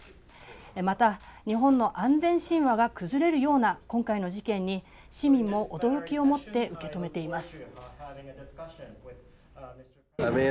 また日本の安全神話が崩れるような今回の事件に市民も驚きをもって受け止めています。